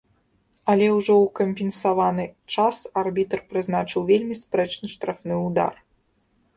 Але ўжо ў кампенсаваны час арбітр прызначыў вельмі спрэчны штрафны ўдар.